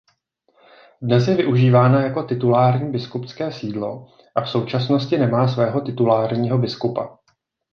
Dnes je využívána jako titulární biskupské sídlo a v současnosti nemá svého titulárního biskupa.